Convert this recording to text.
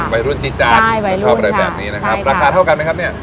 วัยรุ่นจี๊จานชอบอะไรแบบนี้นะครับราคาเท่ากันไหมครับเนี่ย